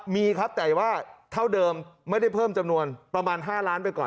มีครับแต่ว่าเท่าเดิมไม่ได้เพิ่มจำนวนประมาณ๕ล้านไปก่อน